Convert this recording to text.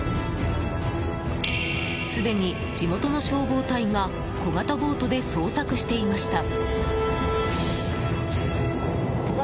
すでに地元の消防隊が小型ボートで捜索していました。